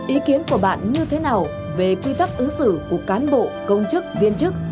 ý kiến của bạn như thế nào về quy tắc ứng xử của cán bộ công chức viên chức